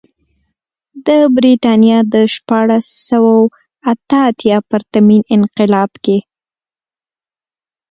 د برېټانیا د شپاړس سوه اته اتیا پرتمین انقلاب کې.